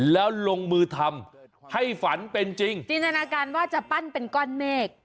แล้วลงมือทำให้ฝันเป็นจริงจินตนาการว่าจะปั้นเป็นก้อนเมฆ